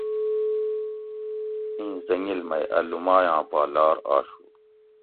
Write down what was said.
ایں حٔنگیل مئ اَ لومائ آں پا لار آشو